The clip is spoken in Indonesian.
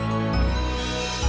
selamat berpisah ya